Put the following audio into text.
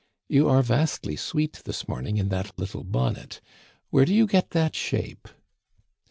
"You are vastly sweet this morning in that little bonnet. Where do you get that shape?"